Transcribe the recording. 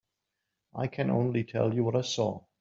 I can only tell you what I saw.